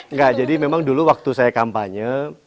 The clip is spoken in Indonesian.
enggak jadi memang dulu waktu saya kampanye